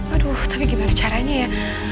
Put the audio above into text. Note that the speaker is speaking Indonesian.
aduh tapi gimana caranya ya